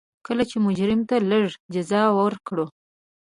کله یې مجرم ته لږه جزا ورکړه.